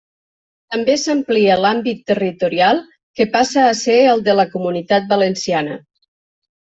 També s'amplia l'àmbit territorial, que passa a ser el de la Comunitat Valenciana.